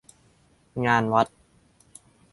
งานวัด